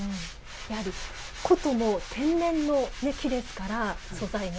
やはり箏も天然の木ですから素材が。